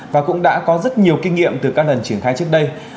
và cũng đã có rất nhiều kinh nghiệm từ các lần triển khai trước đây